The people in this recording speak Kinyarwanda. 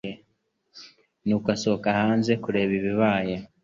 nuko asohoka hanze kureba ibibaye